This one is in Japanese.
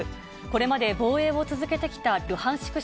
これまで防衛を続けてきたルハンシク